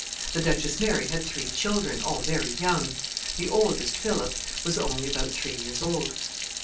The Duchess Mary had three children, all very young. The oldest, Philip, was only about three years old.